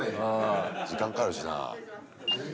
時間かかるしな。